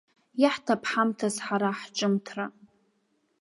Иаҳҭап ҳамҭас ҳара ҳҿымҭра.